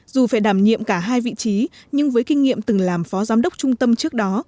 dù phải đảm nhiệm cả hai vị trí nhưng với kinh nghiệm từng làm phó giám đốc trung tâm trước đó